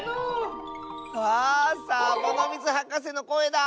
あサボノミズはかせのこえだ！